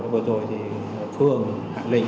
vừa rồi thì phương hạng linh